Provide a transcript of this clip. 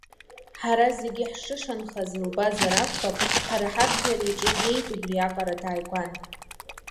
Ҳара зегьы ҳшышанхаз лбазар акәхап, ҳара ҳаԥхьа иара иҿы днеиит, убриаҟара дааигәан.